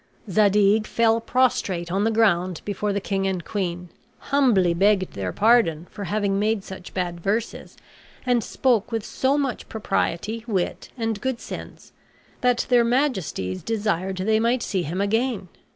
Zadig fell prostrate on the ground before the king and queen; humbly begged their pardon for having made such bad verses and spoke with so much propriety, wit, and good sense, that their majesties desired they might see him again.